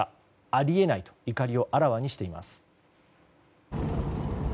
あり得ないと怒りをあらわにしています。